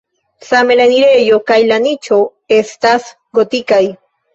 Same la enirejo kaj la niĉo estas gotikaj.